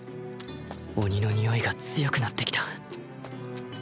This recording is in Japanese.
鬼のにおいが強くなってきた